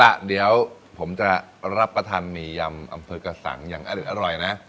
อ่ะเดี๋ยวผมจะรับประทานหมี่ยำอำเภอกระสังอย่างอเด็ดอร่อยนะ